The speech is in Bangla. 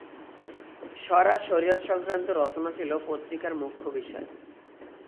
শরা-শরিয়ত সংক্রান্ত রচনা ছিল পত্রিকার মুখ্য বিষয়।